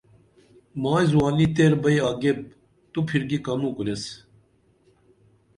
مائی زُوانی تیر بئی آگیپ تو پِھرکی کنوکُریس